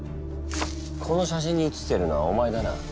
この写真に写っているのはお前だな。